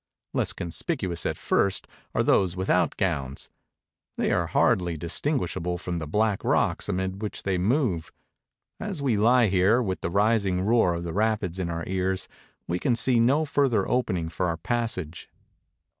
Less conspicuous at first are those with out gowns — they are hardly distinguishable from the black rocks amid which they move. As we lie here, with the rising roar of the rapids in our ears, we can see no further opening for our passage.